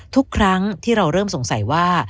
ทุกครั้งที่เราเริ่มสงสัยว่า